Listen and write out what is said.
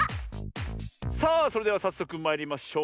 さあそれではさっそくまいりましょう。